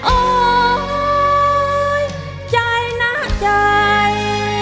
โอ๊ยใจนะใจ